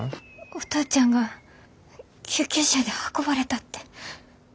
お父ちゃんが救急車で運ばれたって。